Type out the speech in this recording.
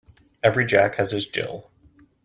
Every Jack has his Jill.